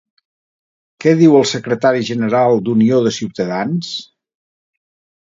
Què diu el secretari general d'Unió de Ciutadans?